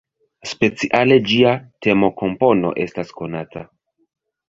Speciale ĝia temokompono estas konata.